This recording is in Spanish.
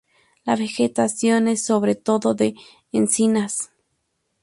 La vegetación es sobre todo de encinas.